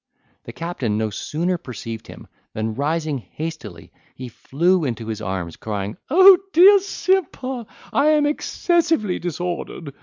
The captain no sooner perceived him, than, rising hastily, he flew into his arms, crying, "O, my dear Simper, I am excessively disordered!